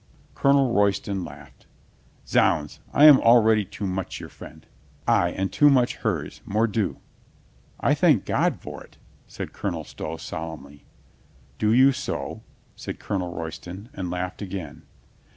Colonel Royston laughed. "Zounds, I am al ready too much your friend. Ay, and too much hers, mordieu." "I thank God for it," said Colonel Stow solemnly. "Do you so?" said Colonel Royston, and laughed again.